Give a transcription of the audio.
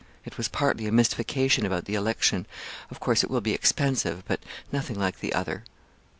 It was partly a mystification about the election; of course, it will be expensive, but nothing like the other.